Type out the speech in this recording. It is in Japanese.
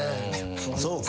そうか。